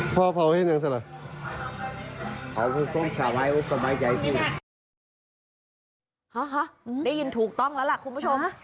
ได้ยินถูกต้องแล้วล่ะคุณผู้ชม